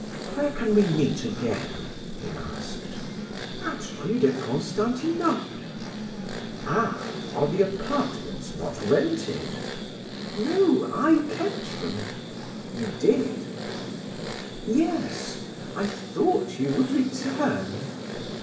"Where can we meet again?" he asked. "At Rue de Constantinople." "Ah, are the apartments not rented?" "No, I kept them." "You did?" "Yes, I thought you would return."